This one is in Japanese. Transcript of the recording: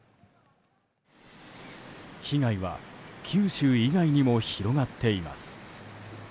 被害は九州以外にも広がっています。